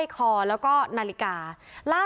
ขอบคุณครับ